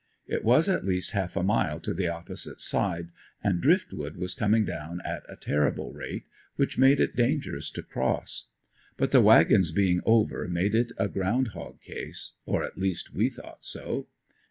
It was at least half a mile to the opposite side and drift wood was coming down at a terrible rate, which made it dangerous to cross. But the wagons being over made it a ground hog case or at least we thought so.